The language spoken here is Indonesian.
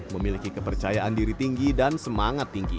memiliki kepercayaan diri tinggi dan semangat tinggi